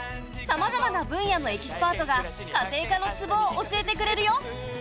さまざまな分野のエキスパートが家庭科のツボを教えてくれるよ。